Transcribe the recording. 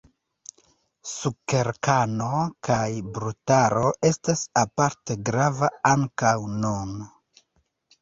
Sukerkano kaj brutaro estas aparte grava ankaŭ nun.